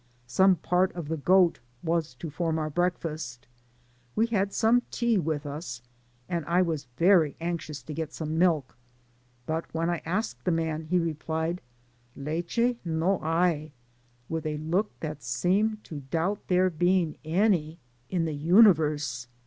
Some part of the goat was to form our breakfast ; we had some tea with us, and I was very anxious to get some milk, but when T asked the man, he replied, Leche no hay," with a look that seemed to doubt there being any in the universe.